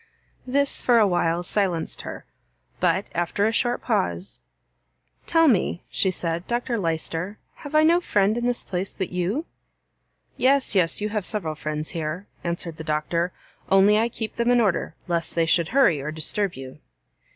This for a while silenced her. But, after a short pause, "Tell me," she said, "Dr Lyster, have I no friend in this place but you?" "Yes, yes, you have several friends here," answered the Doctor, "only I keep them in order, lest they should hurry or disturb you."